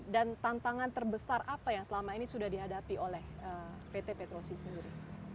dan tantangan terbesar apa yang selama ini sudah dihadapi oleh pt petro c sendiri